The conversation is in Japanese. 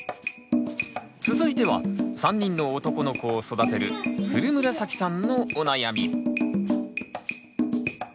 続いては３人の男の子を育てるつるむらさきさんのお悩み。